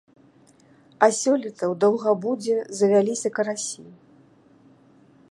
А сёлета у даўгабудзе завяліся карасі.